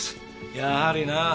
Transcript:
やはりな。